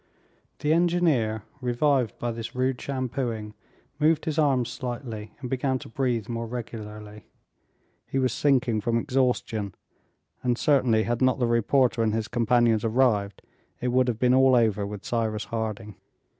The engineer, revived by this rude shampooing, moved his arm slightly and began to breathe more regularly. He was sinking from exhaustion, and certainly, had not the reporter and his companions arrived, it would have been all over with Cyrus Harding.